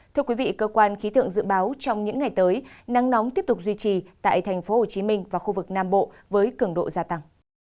thưa quý vị cơ quan khí tượng dự báo trong những ngày tới nắng nóng tiếp tục duy trì tại thành phố hồ chí minh và khu vực nam bộ với cường độ gia tăng